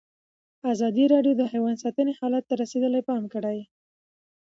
ازادي راډیو د حیوان ساتنه حالت ته رسېدلي پام کړی.